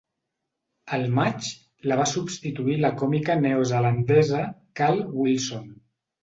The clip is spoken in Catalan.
Al maig, la va substituir la còmica neozelandesa Cal Wilson.